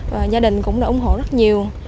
và gia đình cũng đã ủng hộ rất nhiều